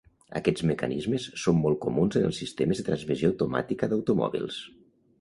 Aquests mecanismes són molt comuns en els sistemes de transmissió automàtica d'automòbils.